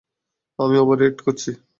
আমি overreact করছি?